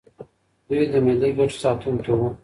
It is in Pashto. دوی د ملي ګټو ساتونکي وو.